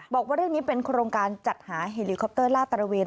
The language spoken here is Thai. บอกว่าเรื่องนี้เป็นโครงการจัดหาเฮลิคอปเตอร์ลาดตระเวน